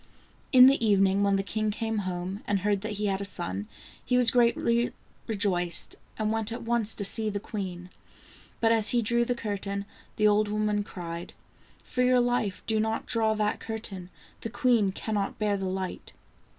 In the evening when the king came home, and heard that he had a son, he was greatly rejoiced, and went at once to see the queen. But as he drew the curtain, the old woman cried :" For your life do not draw that curtain, the queen cannot bear the light!"